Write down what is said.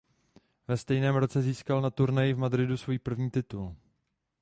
Ve stejném roce získal na turnaji v Madridu svůj první titul.